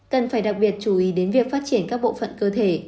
cần phải đặc biệt chú ý đến việc phát triển các bộ phận cơ thể